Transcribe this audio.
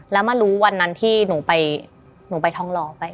แล้วมารู้วันนั้นที่หนูไปท้องรอไป